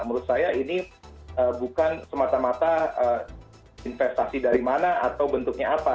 menurut saya ini bukan semata mata investasi dari mana atau bentuknya apa